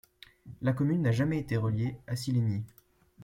La commune n'a jamais été reliée à Sillegny.